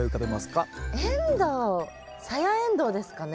サヤエンドウですかね。